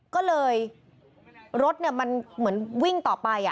ก็เลยรถมันเหมือนวิ่งต่อไป